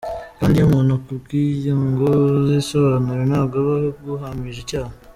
Kandi iyo umuntu akubwiye ngo uzisobanure ntabwo aba aguhamije icyaha.